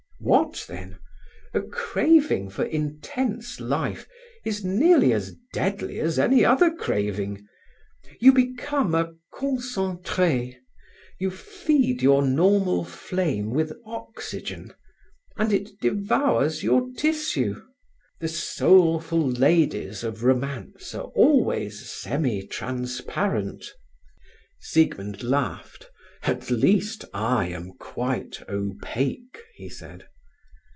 "What then? A craving for intense life is nearly as deadly as any other craving. You become a concentré, you feed your normal flame with oxygen, and it devours your tissue. The soulful ladies of romance are always semi transparent." Siegmund laughed. "At least, I am quite opaque," he said.